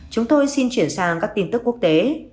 chúng tôi xin chuyển sang các tin tức quốc tế